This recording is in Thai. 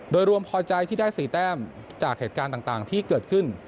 โดยรวมพอใจที่ได้๔แต้มจากเหตุการณ์ต่างที่เกิดขึ้น